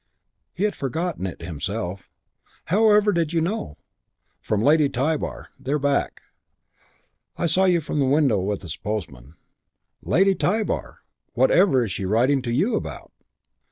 He had forgotten it himself. "How ever did you know? From Lady Tybar. They're back." "I saw you from the window with the postman. Lady Tybar! Whatever was she writing to you about?"